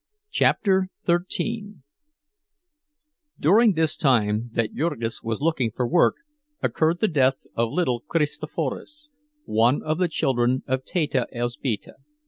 CHAPTER XIII During this time that Jurgis was looking for work occurred the death of little Kristoforas, one of the children of Teta Elzbieta.